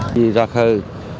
đi ra khơi